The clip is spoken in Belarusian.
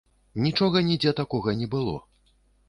Нічога нідзе такога не было.